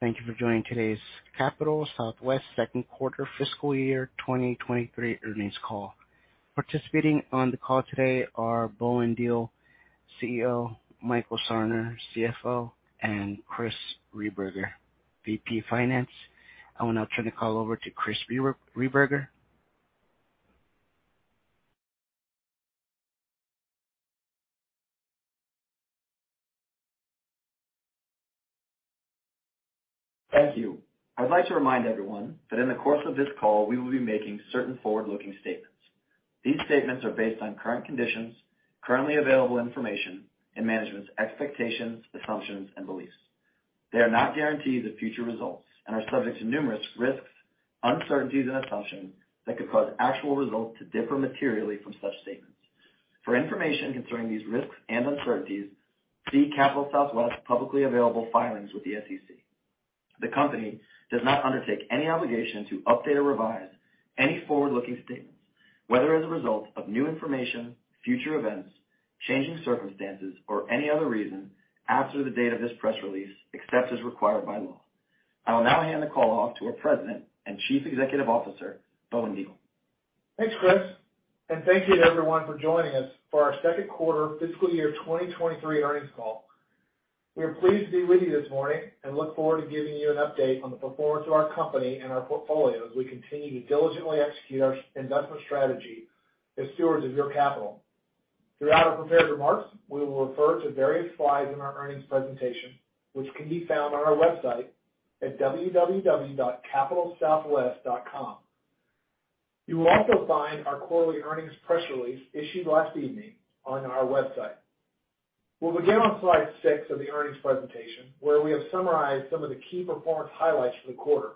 Thank you for joining today's Capital Southwest Q2 fiscal year 2023 earnings call. Participating on the call today are Bowen Diehl, CEO, Michael Sarner, CFO, and Chris Rehberger, VP Finance. I will now turn the call over to Chris Rehberger. Thank you. I'd like to remind everyone that in the course of this call, we will be making certain forward-looking statements. These statements are based on current conditions, currently available information, and management's expectations, assumptions, and beliefs. They are not guarantees of future results and are subject to numerous risks, uncertainties, and assumptions that could cause actual results to differ materially from such statements. For information concerning these risks and uncertainties, see Capital Southwest publicly available filings with the SEC. The company does not undertake any obligation to update or revise any forward-looking statements, whether as a result of new information, future events, changing circumstances, or any other reason after the date of this press release, except as required by law. I will now hand the call off to our President and Chief Executive Officer, Bowen Diehl. Thanks, Chris, and thank you to everyone for joining us for our Q2 fiscal year 2023 earnings call. We are pleased to be with you this morning and look forward to giving you an update on the performance of our company and our portfolio as we continue to diligently execute our investment strategy as stewards of your capital. Throughout our prepared remarks, we will refer to various slides in our earnings presentation, which can be found on our website at www.capitalsouthwest.com. You will also find our quarterly earnings press release issued last evening on our website. We'll begin on slide six of the earnings presentation, where we have summarized some of the key performance highlights for the quarter.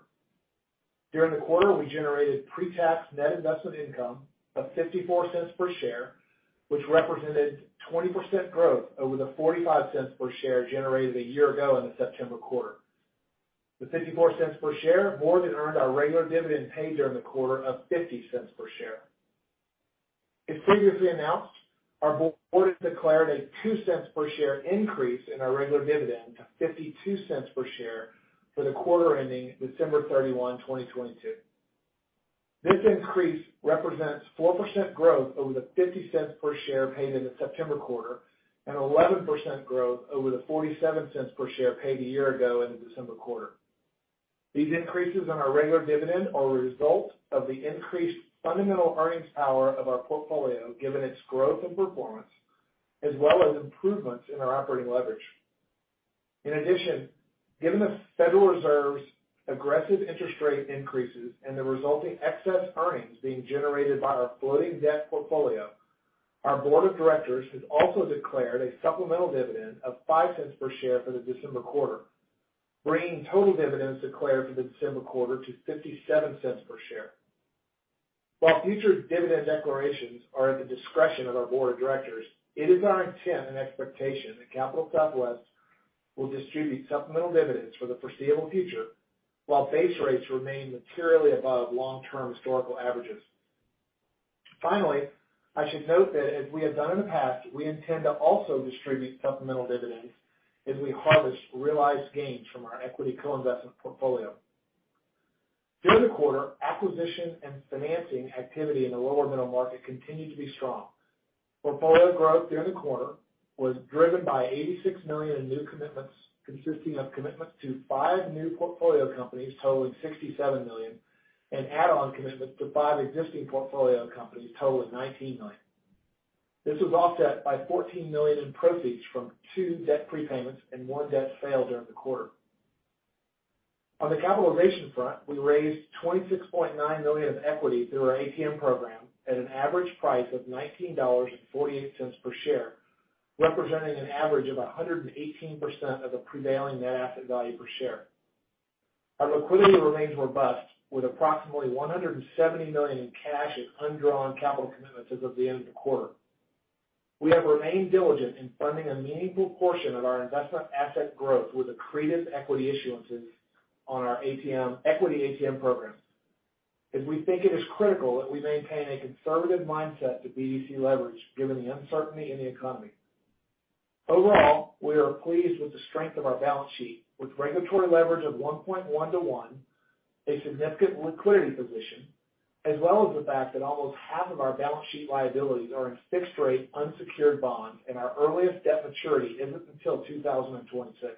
During the quarter, we generated pre-tax net investment income of $0.54 per share, which represented 20% growth over the $0.45 per share generated a year ago in the September quarter. The $0.54 per share more than earned our regular dividend paid during the quarter of $0.50 per share. As previously announced, our board has declared a $0.02 per share increase in our regular dividend to $0.52 per share for the quarter ending December 31, 2022. This increase represents 4% growth over the $0.50 per share paid in the September quarter and 11% growth over the $0.47 per share paid a year ago in the December quarter. These increases in our regular dividend are a result of the increased fundamental earnings power of our portfolio, given its growth and performance, as well as improvements in our operating leverage. In addition, given the Federal Reserve's aggressive interest rate increases and the resulting excess earnings being generated by our floating debt portfolio, our board of directors has also declared a supplemental dividend of $0.05 per share for the December quarter, bringing total dividends declared for the December quarter to $0.57 per share. While future dividend declarations are at the discretion of our board of directors, it is our intent and expectation that Capital Southwest will distribute supplemental dividends for the foreseeable future while base rates remain materially above long-term historical averages. Finally, I should note that as we have done in the past, we intend to also distribute supplemental dividends as we harvest realized gains from our equity co-investment portfolio. During the quarter, acquisition and financing activity in the lower middle market continued to be strong. Portfolio growth during the quarter was driven by $86 million in new commitments, consisting of commitments to five new portfolio companies totaling $67 million and add-on commitments to five existing portfolio companies totaling $19 million. This was offset by $14 million in proceeds from two debt prepayments and one debt sale during the quarter. On the capitalization front, we raised $26.9 million of equity through our ATM program at an average price of $19.48 per share, representing an average of 118% of the prevailing net asset value per share. Our liquidity remains robust, with approximately $170 million in cash and undrawn capital commitments as of the end of the quarter. We have remained diligent in funding a meaningful portion of our investment asset growth with accretive equity issuances on our ATM equity ATM programs, as we think it is critical that we maintain a conservative mindset to BDC leverage given the uncertainty in the economy. Overall, we are pleased with the strength of our balance sheet with regulatory leverage of 1.1 to 1, a significant liquidity position, as well as the fact that almost half of our balance sheet liabilities are in fixed rate unsecured bonds, and our earliest debt maturity isn't until 2026.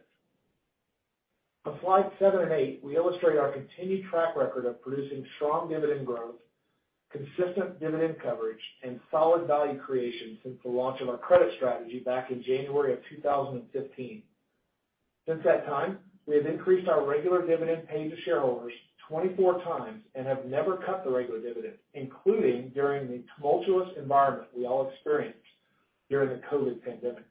On slide seven and eight, we illustrate our continued track record of producing strong dividend growth, consistent dividend coverage, and solid value creation since the launch of our credit strategy back in January of 2015. Since that time, we have increased our regular dividend paid to shareholders 24 times and have never cut the regular dividend, including during the tumultuous environment we all experienced during the COVID pandemic.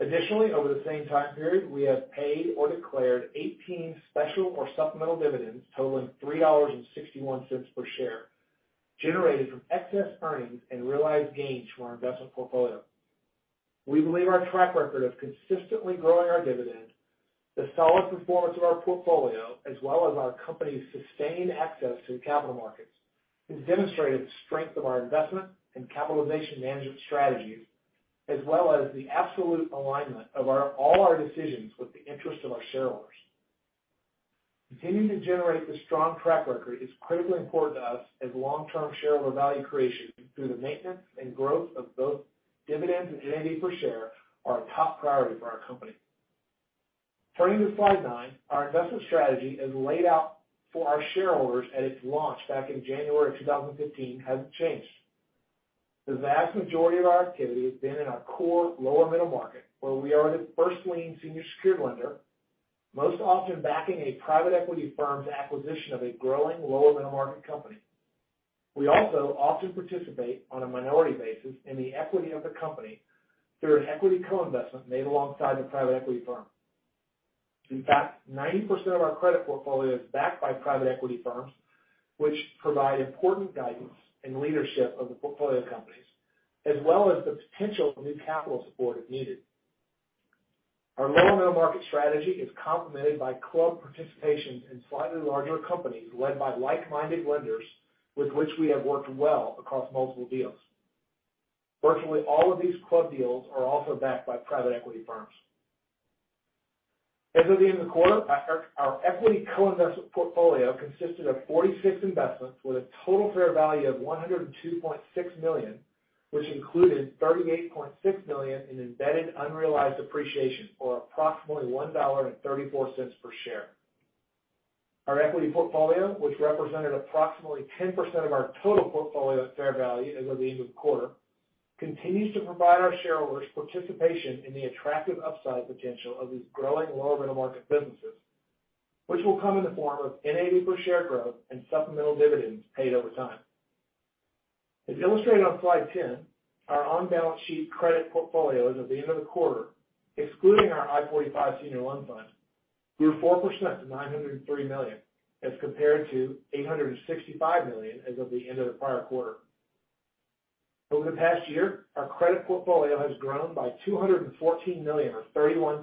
Additionally, over the same time period, we have paid or declared 18 special or supplemental dividends totaling $3.61 per share, generated from excess earnings and realized gains from our investment portfolio. We believe our track record of consistently growing our dividend, the solid performance of our portfolio, as well as our company's sustained access to the capital markets has demonstrated the strength of our investment and capitalization management strategies, as well as the absolute alignment of all our decisions with the interest of our shareholders. Continuing to generate the strong track record is critically important to us as long-term shareholder value creation through the maintenance and growth of both dividends and NAV per share are a top priority for our company. Turning to slide nine. Our investment strategy as laid out for our shareholders at its launch back in January of 2015 hasn't changed. The vast majority of our activity has been in our core lower middle market, where we are the first lien senior secured lender, most often backing a private equity firm's acquisition of a growing lower middle market company. We also often participate on a minority basis in the equity of the company through an equity co-investment made alongside the private equity firm. In fact, 90% of our credit portfolio is backed by private equity firms, which provide important guidance and leadership of the portfolio companies as well as the potential for new capital support if needed. Our lower middle market strategy is complemented by club participation in slightly larger companies led by like-minded lenders with which we have worked well across multiple deals. Virtually all of these club deals are also backed by private equity firms. As of the end of the quarter, our equity co-investment portfolio consisted of 46 investments with a total fair value of $102.6 million, which included $38.6 million in embedded unrealized appreciation, or approximately $1.34 per share. Our equity portfolio, which represented approximately 10% of our total portfolio at fair value as of the end of the quarter, continues to provide our shareholders participation in the attractive upside potential of these growing lower middle market businesses, which will come in the form of NAV per share growth and supplemental dividends paid over time. As illustrated on Slide 10, our on-balance sheet credit portfolios at the end of the quarter, excluding our I-45 Senior Loan Fund, grew 4% to $903 million as compared to $865 million as of the end of the prior quarter. Over the past year, our credit portfolio has grown by $214 million, or 31%,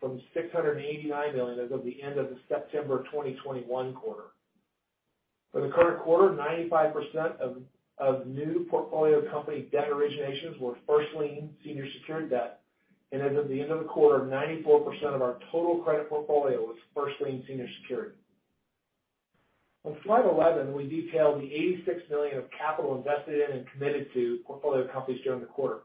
from $689 million as of the end of the September 2021 quarter. For the current quarter, 95% of new portfolio company debt originations were first lien senior secured debt, and as of the end of the quarter, 94% of our total credit portfolio was first lien senior secured. On Slide 11, we detailed the $86 million of capital invested in and committed to portfolio companies during the quarter.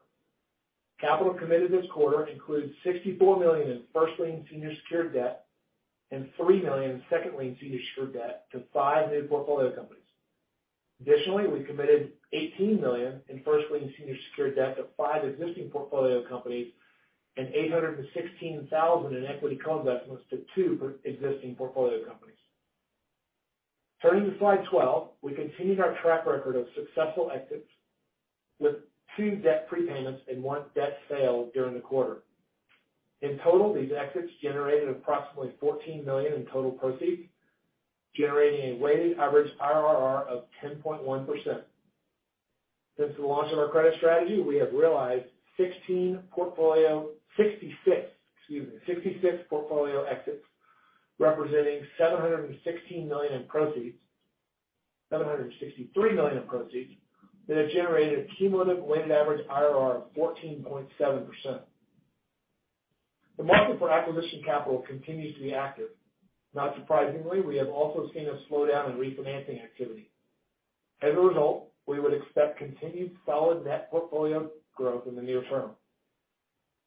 Capital committed this quarter includes $64 million in first lien senior secured debt and $3 million in second lien senior secured debt to five new portfolio companies. Additionally, we committed $18 million in first lien senior secured debt to five existing portfolio companies and $816,000 in equity co-investments to two existing portfolio companies. Turning to slide 12. We continued our track record of successful exits with two debt prepayments and one debt sale during the quarter. In total, these exits generated approximately $14 million in total proceeds, generating a weighted average IRR of 10.1%. Since the launch of our credit strategy, we have realized 66 portfolio exits representing $763 million in proceeds that have generated a cumulative weighted average IRR of 14.7%. The market for acquisition capital continues to be active. Not surprisingly, we have also seen a slowdown in refinancing activity. As a result, we would expect continued solid net portfolio growth in the near term.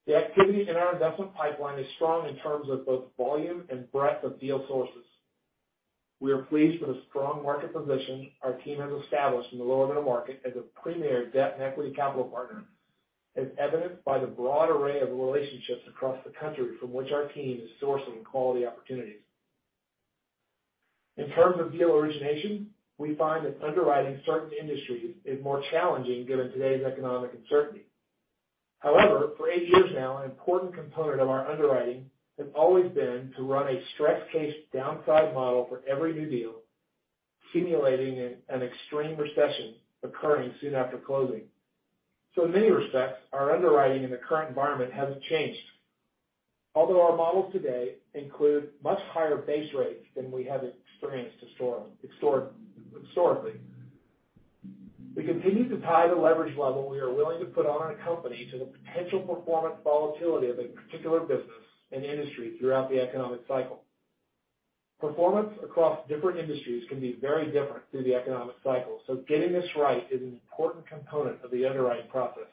The activity in our investment pipeline is strong in terms of both volume and breadth of deal sources. We are pleased with the strong market position our team has established in the lower middle market as a premier debt and equity capital partner, as evidenced by the broad array of relationships across the country from which our team is sourcing quality opportunities. In terms of deal origination, we find that underwriting certain industries is more challenging given today's economic uncertainty. However, for eight years now, an important component of our underwriting has always been to run a stress case downside model for every new deal, simulating an extreme recession occurring soon after closing. In many respects, our underwriting in the current environment hasn't changed, although our models today include much higher base rates than we have experienced historically. We continue to tie the leverage level we are willing to put on a company to the potential performance volatility of a particular business and industry throughout the economic cycle. Performance across different industries can be very different through the economic cycle, so getting this right is an important component of the underwriting process.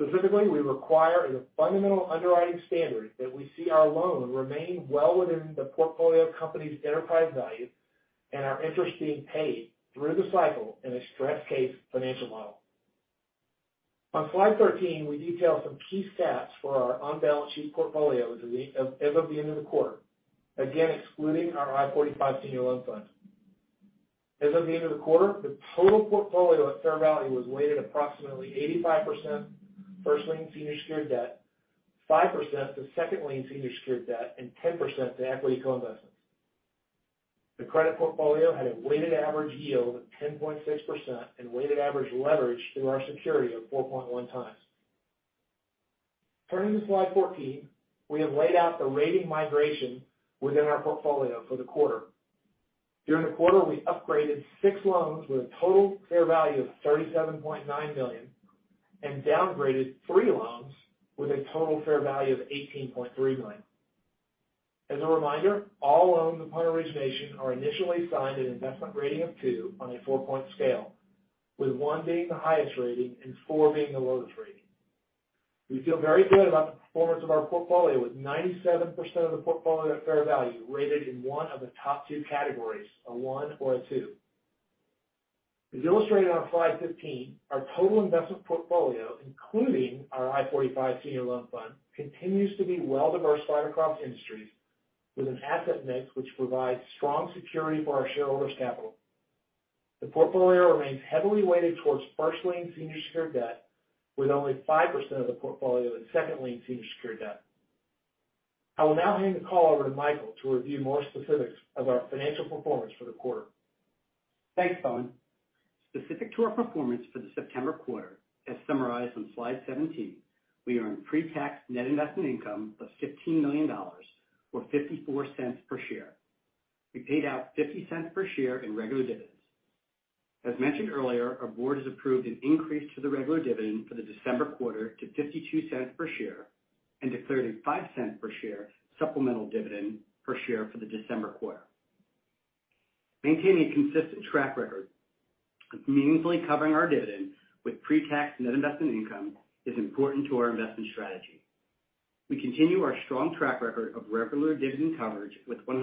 Specifically, we require as a fundamental underwriting standard that we see our loan remain well within the portfolio company's enterprise value and our interest being paid through the cycle in a stress case financial model. On Slide 13, we detail some key stats for our on-balance sheet portfolio as of the end of the quarter, again, excluding our I-45 Senior Loan Fund. As of the end of the quarter, the total portfolio at fair value was weighted approximately 85% first lien senior secured debt, 5% to second lien senior secured debt, and 10% to equity co-investments. The credit portfolio had a weighted average yield of 10.6% and weighted average leverage through our security of 4.1x. Turning to slide 14. We have laid out the rating migration within our portfolio for the quarter. During the quarter, we upgraded six loans with a total fair value of $37.9 million, and downgraded three loans with a total fair value of $18.3 million. As a reminder, all loans upon origination are initially assigned an investment rating of two on a four-point scale, with one being the highest rating and four being the lowest rating. We feel very good about the performance of our portfolio, with 97% of the portfolio at fair value rated in one of the top two categories, a one or a two. As illustrated on slide 15, our total investment portfolio, including our I-45 Senior Loan Fund, continues to be well-diversified across industries with an asset mix which provides strong security for our shareholders' capital. The portfolio remains heavily weighted towards first lien senior secured debt, with only 5% of the portfolio in second lien senior secured debt. I will now hand the call over to Michael to review more specifics of our financial performance for the quarter. Thanks, Bowen. Specific to our performance for the September quarter, as summarized on slide 17, we earned pre-tax net investment income of $15 million or $0.54 per share. We paid out $0.50 per share in regular dividends. As mentioned earlier, our board has approved an increase to the regular dividend for the December quarter to $0.52 per share and declared a $0.05 per share supplemental dividend per share for the December quarter. Maintaining a consistent track record of meaningfully covering our dividend with pre-tax net investment income is important to our investment strategy. We continue our strong track record of regular dividend coverage with 106%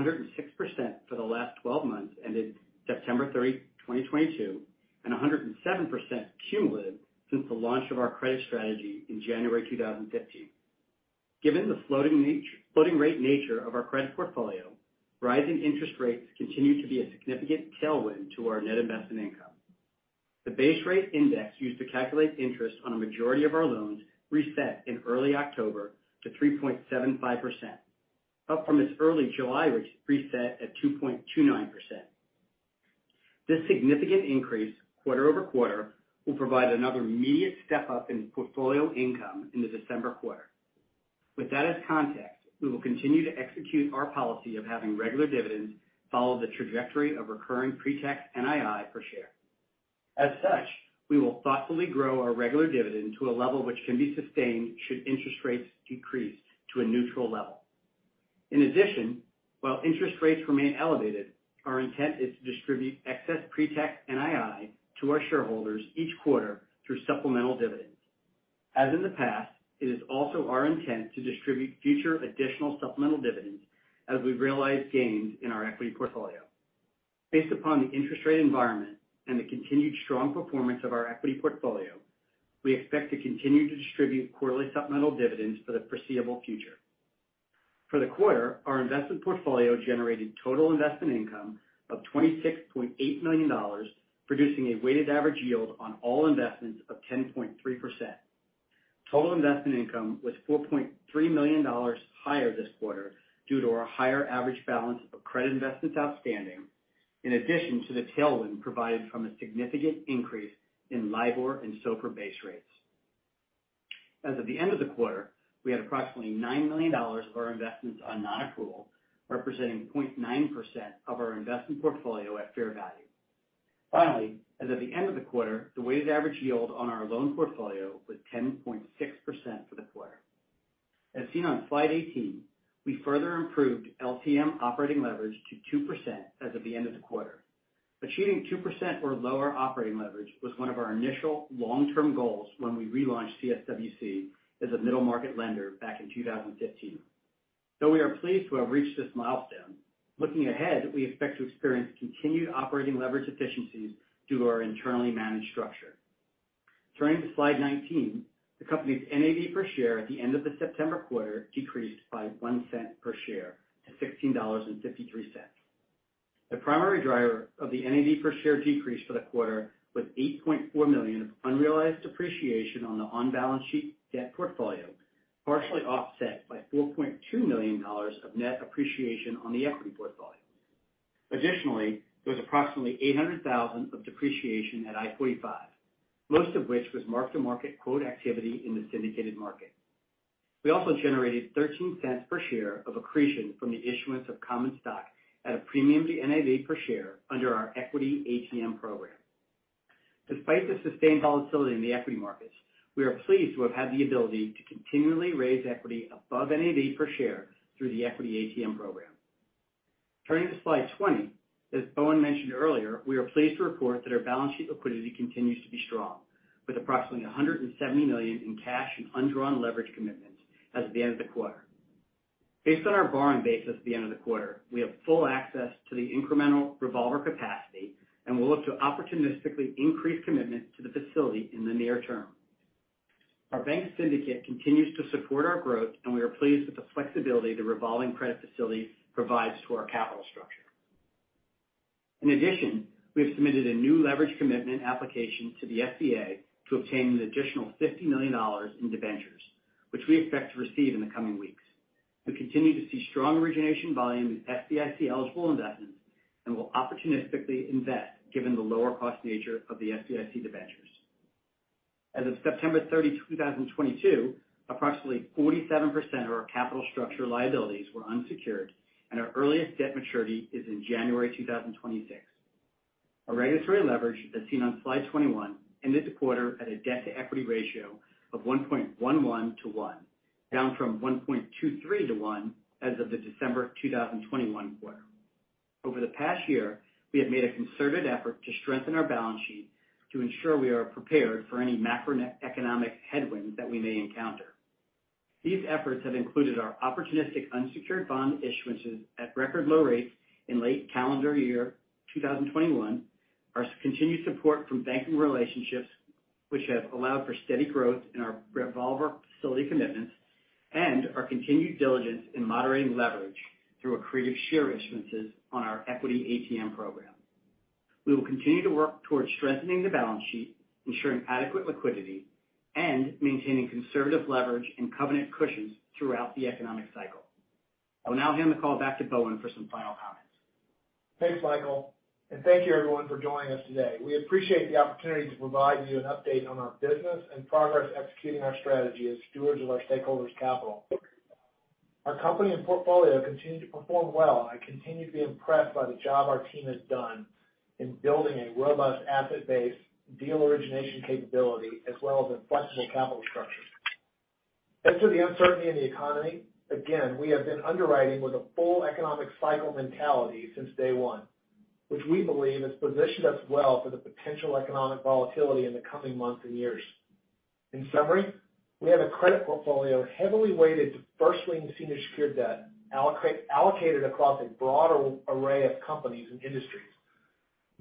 for the last 12 months, ended September 3, 2022, and 107% cumulative since the launch of our credit strategy in January 2015. Given the floating rate nature of our credit portfolio, rising interest rates continue to be a significant tailwind to our net investment income. The base rate index used to calculate interest on a majority of our loans reset in early October to 3.75%, up from its early July reset at 2.29%. This significant increase quarter-over-quarter will provide another immediate step-up in portfolio income in the December quarter. With that as context, we will continue to execute our policy of having regular dividends follow the trajectory of recurring pre-tax NII per share. As such, we will thoughtfully grow our regular dividend to a level which can be sustained should interest rates decrease to a neutral level. In addition, while interest rates remain elevated, our intent is to distribute excess pre-tax NII to our shareholders each quarter through supplemental dividends. As in the past, it is also our intent to distribute future additional supplemental dividends as we realize gains in our equity portfolio. Based upon the interest rate environment and the continued strong performance of our equity portfolio, we expect to continue to distribute quarterly supplemental dividends for the foreseeable future. For the quarter, our investment portfolio generated total investment income of $26.8 million, producing a weighted average yield on all investments of 10.3%. Total investment income was $4.3 million higher this quarter due to our higher average balance of credit investments outstanding, in addition to the tailwind provided from a significant increase in LIBOR and SOFR base rates. As of the end of the quarter, we had approximately $9 million of our investments on non-accrual, representing 0.9% of our investment portfolio at fair value. Finally, as at the end of the quarter, the weighted average yield on our loan portfolio was 10.6% for the quarter. As seen on slide 18, we further improved LTM operating leverage to 2% as of the end of the quarter. Achieving 2% or lower operating leverage was one of our initial long-term goals when we relaunched CSWC as a middle market lender back in 2015. Though we are pleased to have reached this milestone, looking ahead, we expect to experience continued operating leverage efficiencies due to our internally managed structure. Turning to slide 19. The company's NAV per share at the end of the September quarter decreased by $0.01 per share to $16.53. The primary driver of the NAV per share decrease for the quarter was $8.4 million of unrealized depreciation on the on-balance sheet debt portfolio, partially offset by $4.2 million of net appreciation on the equity portfolio. Additionally, there was approximately $800,000 of depreciation at I-45, most of which was mark-to-market quote activity in the syndicated market. We also generated $0.13 per share of accretion from the issuance of common stock at a premium to NAV per share under our equity ATM program. Despite the sustained volatility in the equity markets, we are pleased to have had the ability to continually raise equity above NAV per share through the equity ATM program. Turning to slide 20. As Bowen mentioned earlier, we are pleased to report that our balance sheet liquidity continues to be strong, with approximately $170 million in cash and undrawn leverage commitments as of the end of the quarter. Based on our borrowing base at the end of the quarter, we have full access to the incremental revolver capacity and will look to opportunistically increase commitment to the facility in the near term. Our bank syndicate continues to support our growth, and we are pleased with the flexibility the revolving credit facility provides to our capital structure. In addition, we have submitted a new leverage commitment application to the SBA to obtain an additional $50 million in debentures, which we expect to receive in the coming weeks. We continue to see strong origination volume in SBA eligible investments and will opportunistically invest given the lower cost nature of the SBA debentures. As of September 30, 2022, approximately 47% of our capital structure liabilities were unsecured, and our earliest debt maturity is in January 2026. Our regulatory leverage, as seen on slide 21, ended the quarter at a debt-to-equity ratio of 1.11 to 1, down from 1.23 to 1 as of the December 2021 quarter. Over the past year, we have made a concerted effort to strengthen our balance sheet to ensure we are prepared for any macroeconomic headwinds that we may encounter. These efforts have included our opportunistic unsecured bond issuances at record low rates in late calendar year 2021, our continued support from banking relationships, which have allowed for steady growth in our revolver facility commitments, and our continued diligence in moderating leverage through accretive share issuances on our equity ATM program. We will continue to work towards strengthening the balance sheet, ensuring adequate liquidity, and maintaining conservative leverage and covenant cushions throughout the economic cycle. I will now hand the call back to Bowen for some final comments. Thanks, Michael, and thank you everyone for joining us today. We appreciate the opportunity to provide you an update on our business and progress executing our strategy as stewards of our stakeholders' capital. Our company and portfolio continue to perform well. I continue to be impressed by the job our team has done in building a robust asset base, deal origination capability, as well as a flexible capital structure. As to the uncertainty in the economy, again, we have been underwriting with a full economic cycle mentality since day one, which we believe has positioned us well for the potential economic volatility in the coming months and years. In summary, we have a credit portfolio heavily weighted to first lien senior secured debt, allocated across a broad array of companies and industries,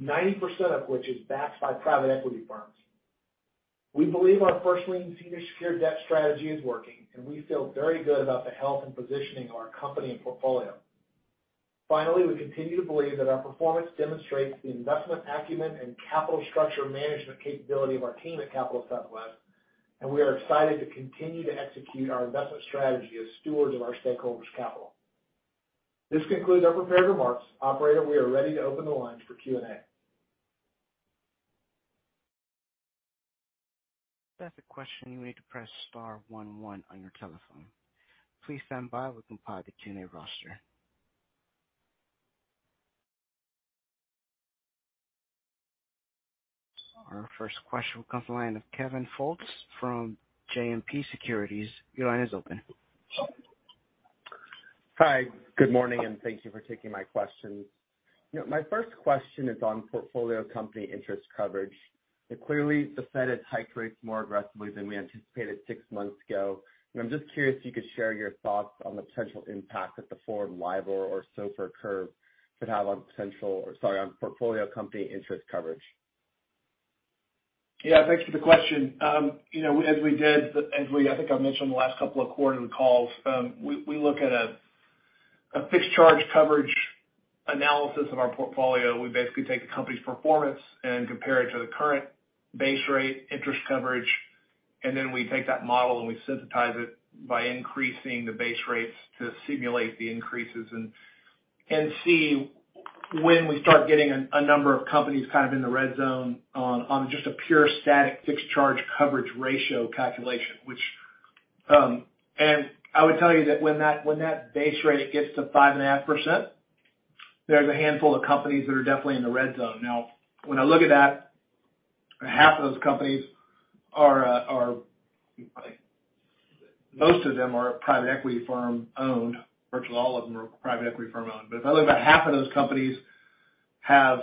90% of which is backed by private equity firms. We believe our first lien senior secured debt strategy is working, and we feel very good about the health and positioning of our company and portfolio. Finally, we continue to believe that our performance demonstrates the investment acumen and capital structure management capability of our team at Capital Southwest, and we are excited to continue to execute our investment strategy as stewards of our stakeholders' capital. This concludes our prepared remarks. Operator, we are ready to open the lines for Q&A. To ask a question, you need to press star one one on your telephone. Please stand by while we compile the Q&A roster. Our first question will come from the line of Kevin Fultz from JMP Securities. Your line is open. Hi, good morning, and thank you for taking my question. You know, my first question is on portfolio company interest coverage. Clearly the Fed has hiked rates more aggressively than we anticipated six months ago. I'm just curious if you could share your thoughts on the potential impact that the forward LIBOR or SOFR curve could have on portfolio company interest coverage. Yeah, thanks for the question. You know, as we did, I think I've mentioned the last couple of quarter calls, we look at a fixed charge coverage analysis of our portfolio. We basically take the company's performance and compare it to the current base rate interest coverage. Then we take that model, and we sensitize it by increasing the base rates to simulate the increases and see when we start getting a number of companies kind of in the red zone on just a pure static fixed charge coverage ratio calculation, which I would tell you that when that base rate gets to 5.5%, there's a handful of companies that are definitely in the red zone. Now, when I look at that, most of them are private equity firm owned. Virtually all of them are private equity firm owned. If I look, about half of those companies have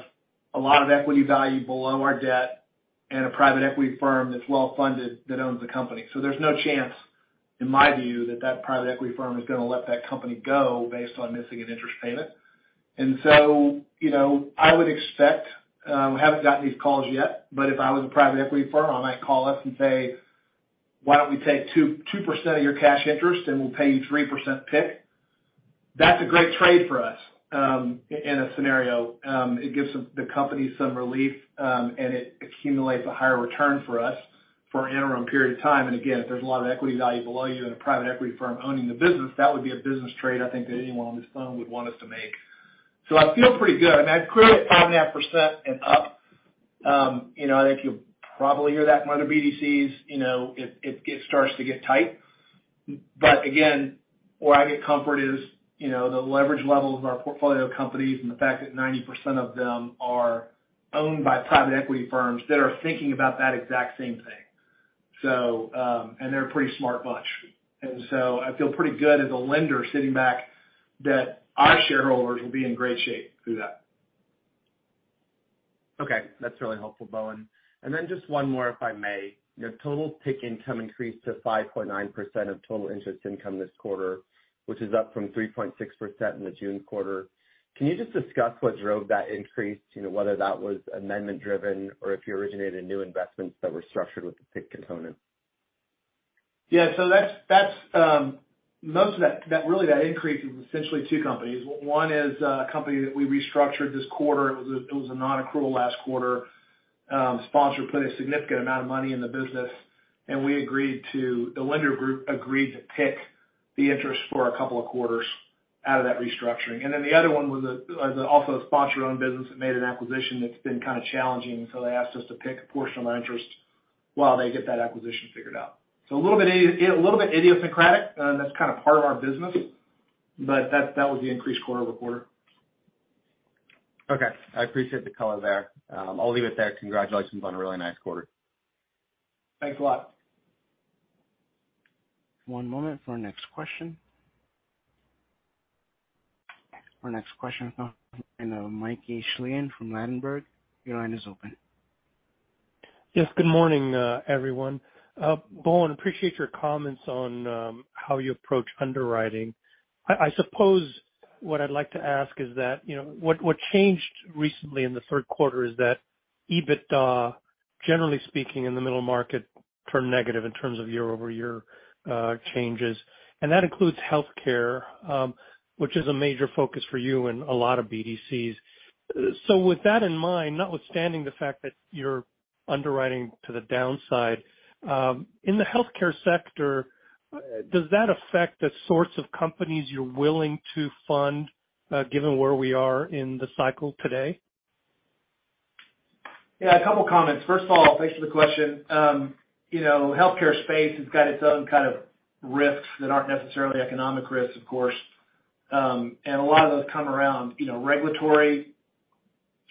a lot of equity value below our debt and a private equity firm that's well funded that owns the company. There's no chance, in my view, that that private equity firm is gonna let that company go based on missing an interest payment. You know, I would expect we haven't gotten these calls yet, but if I was a private equity firm, I might call us and say, "Why don't we take 2% of your cash interest, and we'll pay you 3% PIK." That's a great trade for us in a scenario. It gives the company some relief, and it accumulates a higher return for us for an interim period of time. Again, if there's a lot of equity value below you and a private equity firm owning the business, that would be a business trade, I think, that anyone on this phone would want us to make. I feel pretty good, and I'd create 5.5% and up, you know, and if you probably hear that from other BDCs, you know, it starts to get tight. Again, where I get comfort is, you know, the leverage levels of our portfolio companies and the fact that 90% of them are owned by private equity firms that are thinking about that exact same thing. They're a pretty smart bunch. I feel pretty good as a lender sitting back that our shareholders will be in great shape through that. Okay, that's really helpful, Bowen. Just one more, if I may. Your total PIK income increased to 5.9% of total interest income this quarter, which is up from 3.6% in the June quarter. Can you just discuss what drove that increase? You know, whether that was amendment driven or if you originated new investments that were structured with the PIK component? Yeah. That's most of that really. That increase is essentially two companies. One is a company that we restructured this quarter. It was a non-accrual last quarter. Sponsor put a significant amount of money in the business, and the lender group agreed to pick the interest for a couple of quarters out of that restructuring. Then the other one was also a sponsor-owned business that made an acquisition that's been kind of challenging, so they asked us to pick a portion of our interest while they get that acquisition figured out. A little bit idiosyncratic, and that's kind of part of our business, but that was the increase quarter-over-quarter. Okay. I appreciate the color there. I'll leave it there. Congratulations on a really nice quarter. Thanks a lot. One moment for our next question. Our next question from Mickey Schleien from Ladenburg. Your line is open. Yes, good morning, everyone. Bowen, appreciate your comments on how you approach underwriting. I suppose what I'd like to ask is that, you know, what changed recently in the Q3 is that EBITDA, generally speaking, in the middle market, turned negative in terms of year-over-year changes. That includes healthcare, which is a major focus for you and a lot of BDCs. With that in mind, notwithstanding the fact that you're underwriting to the downside, in the healthcare sector, does that affect the sorts of companies you're willing to fund, given where we are in the cycle today? Yeah, a couple of comments. First of all, thanks for the question. You know, healthcare space has got its own kind of risks that aren't necessarily economic risks, of course. A lot of those come around, you know, regulatory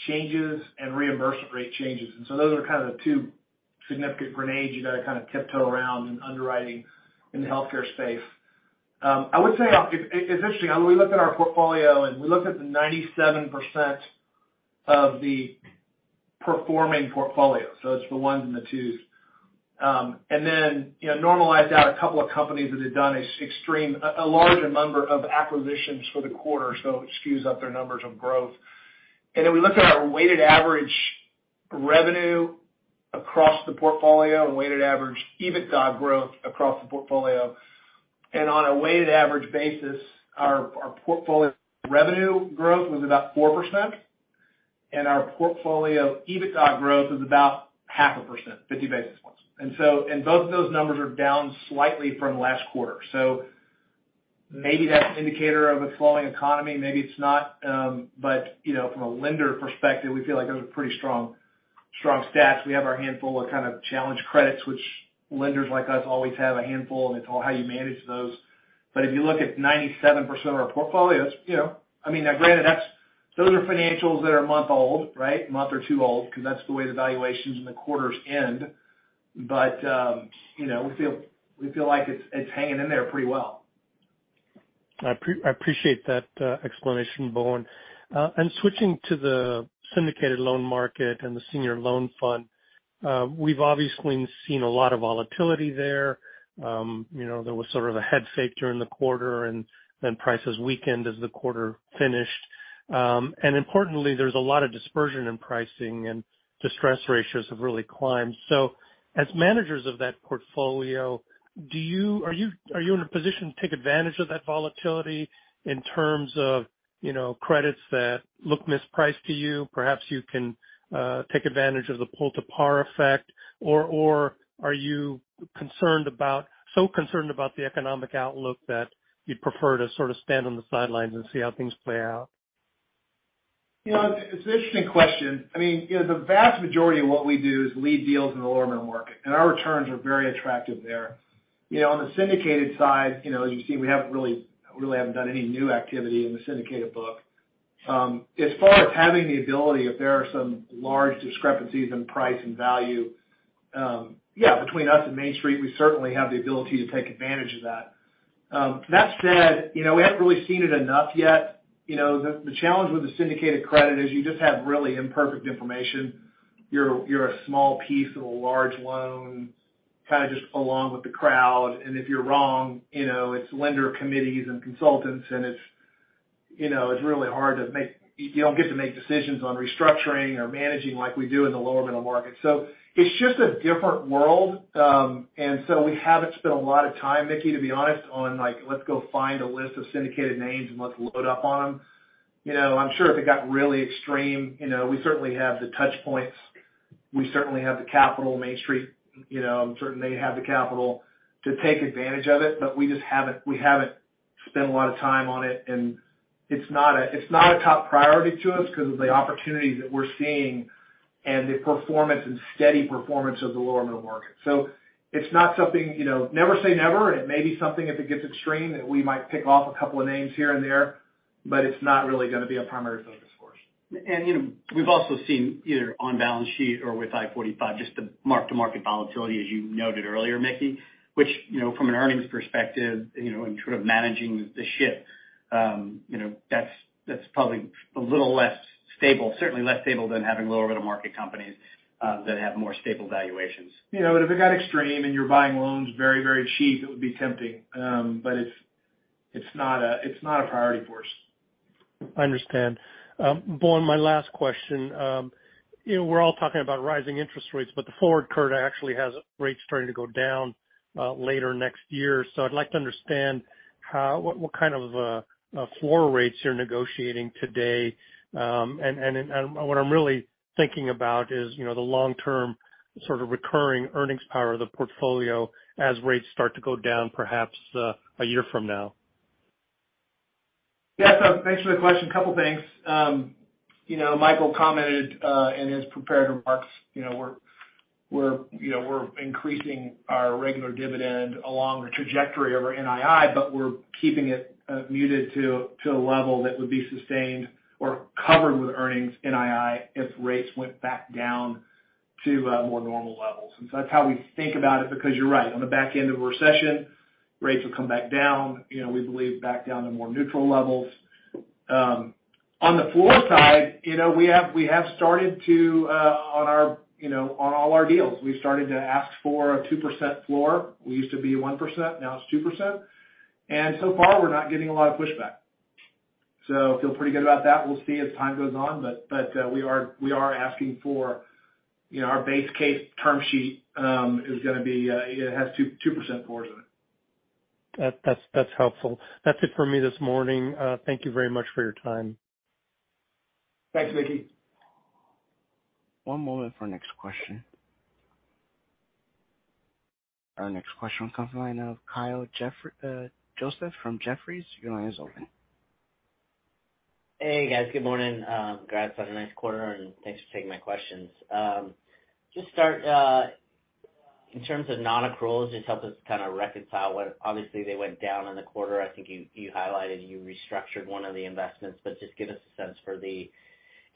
changes and reimbursement rate changes. Those are kind of the two significant grenades you gotta kinda tiptoe around in underwriting in the healthcare space. I would say it's interesting. I mean, we looked at our portfolio, and we looked at the 97% of the performing portfolio, so it's the ones and the twos. You know, normalized out a couple of companies that had done a larger number of acquisitions for the quarter, so it skews up their numbers of growth. We looked at our weighted average revenue across the portfolio and weighted average EBITDA growth across the portfolio. On a weighted average basis, our portfolio revenue growth was about 4%, and our portfolio EBITDA growth was about 0.5%, 50 basis points. Both of those numbers are down slightly from last quarter. Maybe that's an indicator of a slowing economy, maybe it's not. You know, from a lender perspective, we feel like those are pretty strong stats. We have our handful of kind of challenged credits, which lenders like us always have a handful, and it's all how you manage those. If you look at 97% of our portfolios, you know. I mean, now granted, that's those are financials that are a month old, right? A month or two old, 'cause that's the way the valuations and the quarters end. You know, we feel like it's hanging in there pretty well. I appreciate that explanation, Bowen. Switching to the syndicated loan market and the senior loan fund. We've obviously seen a lot of volatility there. You know, there was sort of a head fake during the quarter, and then prices weakened as the quarter finished. Importantly, there's a lot of dispersion in pricing and distress ratios have really climbed. As managers of that portfolio, are you in a position to take advantage of that volatility in terms of, you know, credits that look mispriced to you? Perhaps you can take advantage of the pull-to-par effect or so concerned about the economic outlook that you'd prefer to sort of stand on the sidelines and see how things play out? You know, it's an interesting question. I mean, you know, the vast majority of what we do is lead deals in the lower middle market, and our returns are very attractive there. You know, on the syndicated side, you know, as you can see, we really haven't done any new activity in the syndicated book. As far as having the ability, if there are some large discrepancies in price and value, yeah, between us and Main Street, we certainly have the ability to take advantage of that. That said, you know, we haven't really seen it enough yet. You know, the challenge with the syndicated credit is you just have really imperfect information. You're a small piece of a large loan, kind of just along with the crowd. If you're wrong, you know, it's lender committees and consultants, and it's, you know, it's really hard to make you don't get to make decisions on restructuring or managing like we do in the lower middle market. It's just a different world. We haven't spent a lot of time, Mickey, to be honest, on, like, let's go find a list of syndicated names and let's load up on them. You know, I'm sure if it got really extreme, you know, we certainly have the touch points. We certainly have the capital. Main Street, you know, I'm certain they have the capital to take advantage of it, but we just haven't spent a lot of time on it. It's not a top priority to us because of the opportunities that we're seeing and the performance and steady performance of the lower middle market. It's not something, you know, never say never, and it may be something if it gets extreme, that we might pick off a couple of names here and there, but it's not really gonna be a primary focus for us. You know, we've also seen either on balance sheet or with I-45, just the mark-to-market volatility, as you noted earlier, Mickey, which, you know, from an earnings perspective, you know, in sort of managing the shift, you know, that's probably a little less stable, certainly less stable than having lower middle market companies, that have more stable valuations. You know, if it got extreme and you're buying loans very, very cheap, it would be tempting. It's not a priority for us. I understand. Bowen, my last question. You know, we're all talking about rising interest rates, but the forward curve actually has rates starting to go down later next year. I'd like to understand what kind of floor rates you're negotiating today. And what I'm really thinking about is, you know, the long-term sort of recurring earnings power of the portfolio as rates start to go down perhaps a year from now. Yeah. Thanks for the question. A couple things. You know, Michael commented in his prepared remarks, you know, we're increasing our regular dividend along the trajectory of our NII, but we're keeping it muted to a level that would be sustained or covered with earnings NII if rates went back down to more normal levels. That's how we think about it, because you're right, on the back end of a recession, rates will come back down, you know, we believe back down to more neutral levels. On the floor side, you know, we have started to, on our, you know, on all our deals, we've started to ask for a 2% floor. We used to be 1%, now it's 2%. So far we're not getting a lot of pushback. Feel pretty good about that. We'll see as time goes on, but we are asking for, you know, our base case term sheet is gonna be, it has 2% floors in it. That's helpful. That's it for me this morning. Thank you very much for your time. Thanks, Mickey. One moment for next question. Our next question comes from the line of Kyle Joseph from Jefferies. Your line is open. Hey, guys. Good morning. Congrats on a nice quarter, and thanks for taking my questions. Just start in terms of non-accruals, just help us kind of reconcile what, obviously they went down in the quarter. I think you highlighted you restructured one of the investments, but just give us a sense for the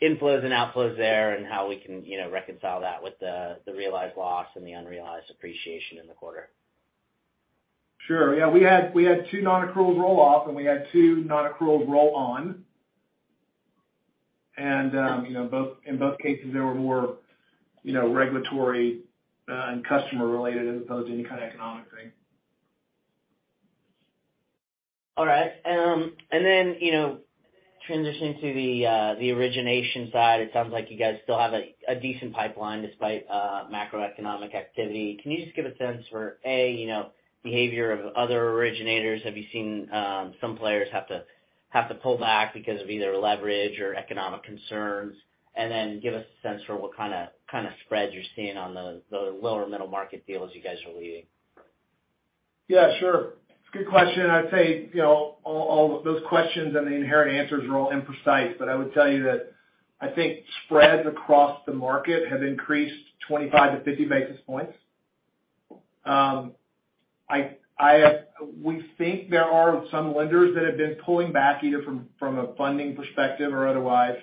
inflows and outflows there and how we can, you know, reconcile that with the realized loss and the unrealized appreciation in the quarter. Sure. Yeah. We had two non-accrual roll-off, and we had two non-accrual roll-on. You know, both in both cases, there were more, you know, regulatory, and customer related as opposed to any kind of economic thing. All right. You know, transitioning to the origination side, it sounds like you guys still have a decent pipeline despite macroeconomic activity. Can you just give a sense for, you know, behavior of other originators? Have you seen some players have to pull back because of either leverage or economic concerns? Then give us a sense for what kind of spreads you're seeing on the lower middle market deals you guys are leading. Yeah, sure. It's a good question. I'd say, you know, all those questions and the inherent answers are all imprecise, but I would tell you that I think spreads across the market have increased 25-50 basis points. We think there are some lenders that have been pulling back, either from a funding perspective or otherwise.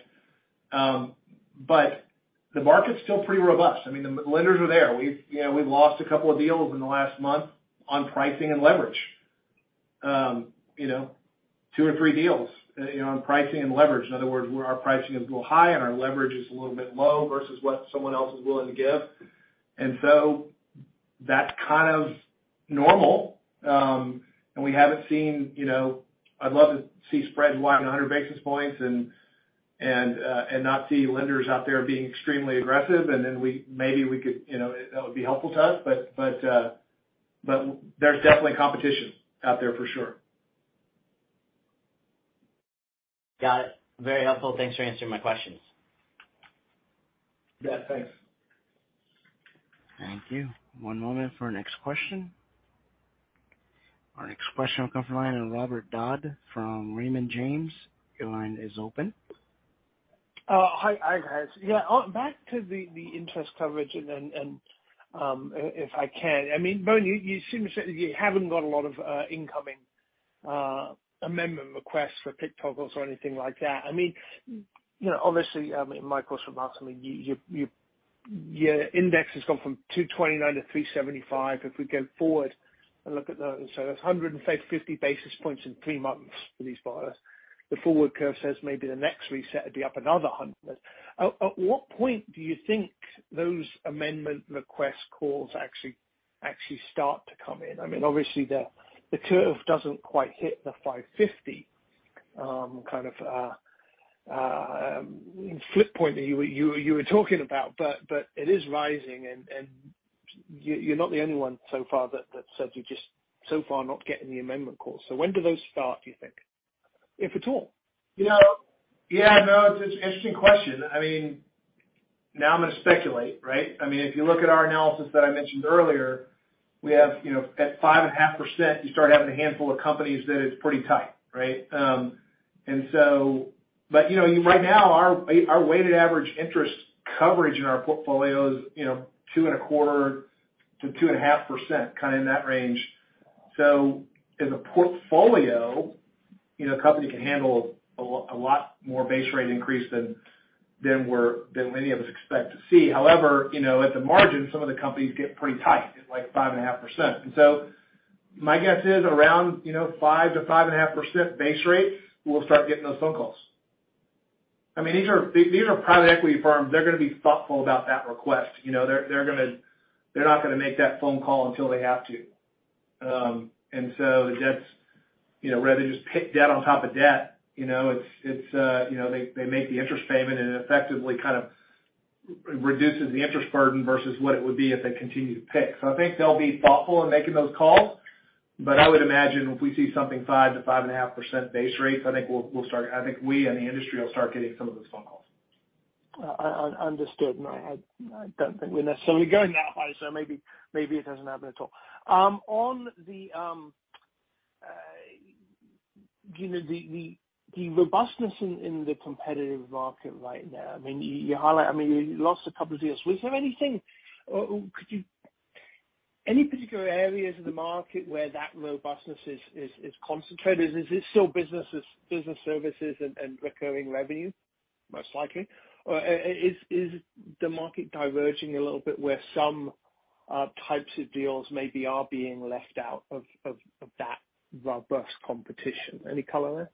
But the market's still pretty robust. I mean, the lenders are there. We've lost a couple of deals in the last month on pricing and leverage. Two or three deals on pricing and leverage. In other words, where our pricing is a little high and our leverage is a little bit low versus what someone else is willing to give. That's kind of normal. We haven't seen, you know, I'd love to see spreads widen 100 basis points and not see lenders out there being extremely aggressive. Maybe we could, you know, that would be helpful to us. There's definitely competition out there for sure. Got it. Very helpful. Thanks for answering my questions. Yeah, thanks. Thank you. One moment for our next question. Our next question will come from the line of Robert Dodd from Raymond James. Your line is open. Hi, guys. Yeah, back to the interest coverage and then, if I can. I mean, Bowen, you seem to say that you haven't got a lot of incoming amendment requests for PIK toggles or anything like that. I mean, you know, obviously, I mean, Michael's remarks, I mean, your index has gone from 229 to 375. If we go forward and look at the, so that's 150 basis points in three months for these buyers. The forward curve says maybe the next reset would be up another 100. At what point do you think those amendment request calls actually start to come in? I mean, obviously the curve doesn't quite hit the 5.50% flip point that you were talking about, but it is rising and you're not the only one so far that said you're just so far not getting the amendment calls. When do those start, do you think? If at all? You know, yeah, no, it's an interesting question. I mean, now I'm gonna speculate, right? I mean, if you look at our analysis that I mentioned earlier, we have, you know, at 5.5%, you start having a handful of companies that it's pretty tight, right? You know, right now our weighted average interest coverage in our portfolio is, you know, 2.25%-2.5%, kind of in that range. So as a portfolio, you know, a company can handle a lot more base rate increase than many of us expect to see. However, you know, at the margin, some of the companies get pretty tight at, like, 5.5%. My guess is around, you know, 5%-5.5% base rate, we'll start getting those phone calls. I mean, these are private equity firms. They're gonna be thoughtful about that request. You know, they're gonna. They're not gonna make that phone call until they have to. The debts, you know, rather than just pick debt on top of debt, you know, it's, you know, they make the interest payment and it effectively kind of reduces the interest burden versus what it would be if they continue to pay. I think they'll be thoughtful in making those calls. I would imagine if we see something 5%-5.5% base rates, I think we'll start. I think we and the industry will start getting some of those phone calls. Understood. No, I don't think we're necessarily going that high, so maybe it doesn't happen at all. On the, you know, the robustness in the competitive market right now, I mean, you highlight. I mean, you lost a couple of deals. Was there anything or could you any particular areas of the market where that robustness is concentrated? Is it still businesses, business services and recurring revenue, most likely? Or is the market diverging a little bit where some types of deals maybe are being left out of that robust competition? Any color there?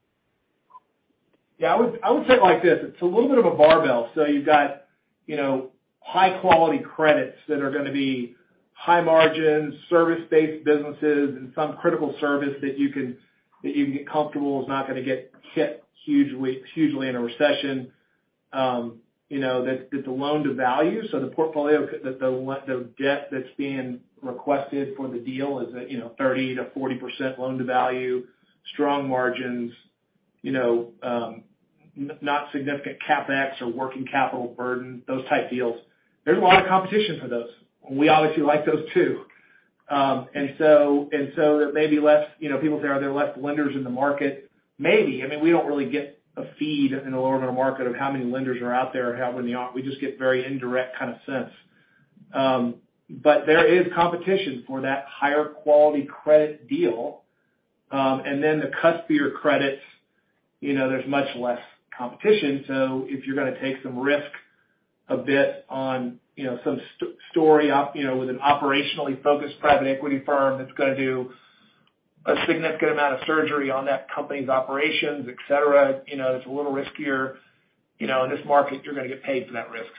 Yeah, I would say it like this. It's a little bit of a barbell. You've got, you know, high quality credits that are gonna be high margin, service-based businesses and some critical service that you can get comfortable is not gonna get hit hugely in a recession. You know, the loan-to-value, so the portfolio, the debt that's being requested for the deal is at, you know, 30%-40% loan-to-value, strong margins, you know, not significant CapEx or working capital burden, those type deals. There's a lot of competition for those. We obviously like those too. There may be less, you know, people say, "Are there less lenders in the market?" Maybe. I mean, we don't really get a feed in the lower middle market of how many lenders are out there. We just get very indirect kind of sense. There is competition for that higher quality credit deal. The cuspier credits, you know, there's much less competition. If you're gonna take some risk a bit on, you know, some story op, you know, with an operationally focused private equity firm that's gonna do a significant amount of surgery on that company's operations, et cetera, you know, it's a little riskier. You know, in this market, you're gonna get paid for that risk.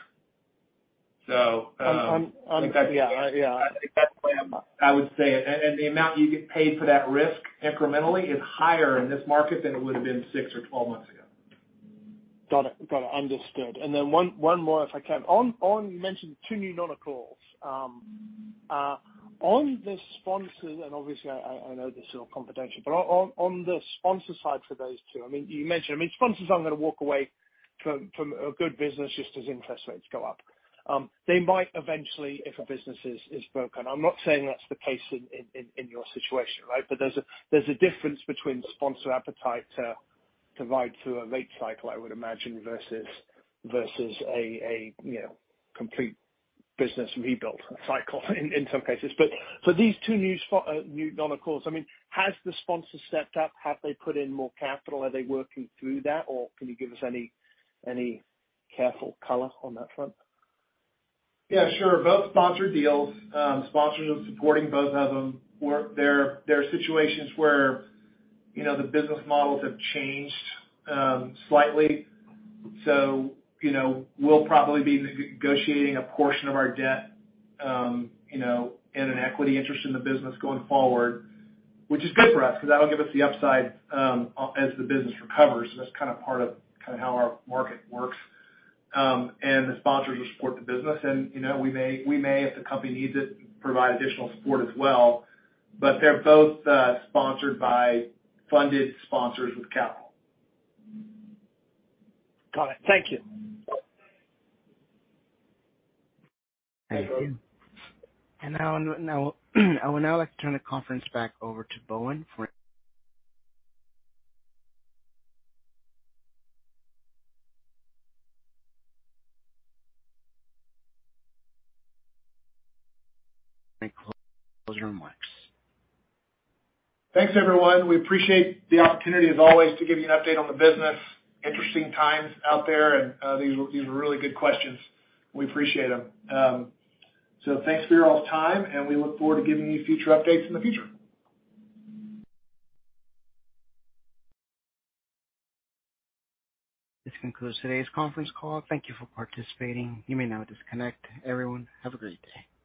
On, on- That's- Yeah, yeah. That's the way I would say it. The amount you get paid for that risk incrementally is higher in this market than it would've been six or 12 months ago. Got it. Understood. One more if I can. You mentioned two new non-accruals. On the sponsors, and obviously I know this is all confidential, but on the sponsor side for those two, I mean, you mentioned, I mean, sponsors aren't gonna walk away from a good business just as interest rates go up. They might eventually if a business is broken. I'm not saying that's the case in your situation, right. There's a difference between sponsor appetite to ride through a rate cycle, I would imagine, versus a you know, complete business rebuild cycle in some cases. For these two new non-accruals, I mean, has the sponsors stepped up. Have they put in more capital. Are they working through that? Can you give us any careful color on that front? Yeah, sure. Both sponsored deals. Sponsors are supporting both of them. There are situations where, you know, the business models have changed slightly. You know, we'll probably be negotiating a portion of our debt, you know, and an equity interest in the business going forward, which is good for us because that'll give us the upside as the business recovers. That's kind of part of kind of how our market works. The sponsors will support the business. You know, we may, if the company needs it, provide additional support as well. They're both sponsored by funded sponsors with capital. Got it. Thank you. Thank you. Now, I would now like to turn the conference back over to Bowen for any closing remarks. Thanks, everyone. We appreciate the opportunity as always to give you an update on the business. Interesting times out there and these are really good questions. We appreciate them. So thanks for your all's time, and we look forward to giving you future updates in the future. This concludes today's conference call. Thank you for participating. You may now disconnect. Everyone, have a great day.